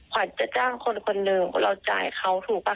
ขวัญจะจ้างคนคนหนึ่งเราจ่ายเขาถูกป่